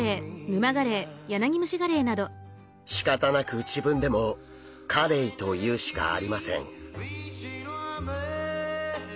しかたなく自分でも「カレイ」と言うしかありません。